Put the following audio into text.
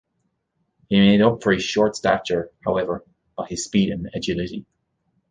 He made up for his short stature, however, by his speed and agility.